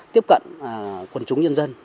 tiếp cận quần chúng nhân dân